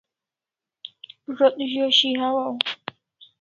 Zo't z'oshi hawaw